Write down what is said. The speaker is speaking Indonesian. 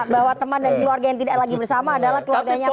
bahwa teman dan keluarga yang tidak lagi bersama adalah keluarganya pak